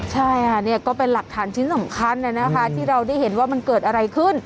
ใช่ค่ะนี่ก็เป็นหลักฐานชิ้นสำคัญที่เราได้เห็นว่ามันเกิดอะไรขึ้น